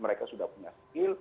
mereka sudah punya skill